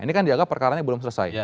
ini kan dianggap perkaranya belum selesai